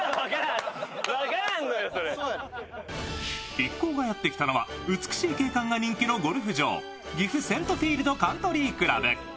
一行がやってきたのは、美しい景観が人気のゴルフ場、岐阜セントフィールドカントリー倶楽部。